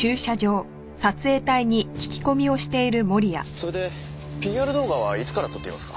それでＰＲ動画はいつから撮っていますか？